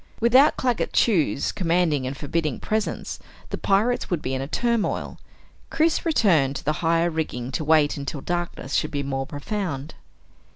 Without Claggett Chew's commanding and forbidding presence, the pirates would be in a turmoil. Chris returned to the higher rigging to wait until darkness should be more profound.